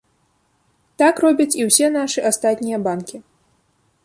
Так робяць і ўсе нашы астатнія банкі.